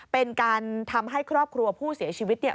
เป็นการทำให้ครอบครัวผู้เสียชีวิตเนี่ย